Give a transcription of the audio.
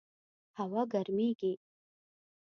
هوا ګرمیږي